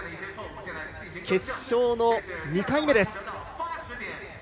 決勝の２回目です。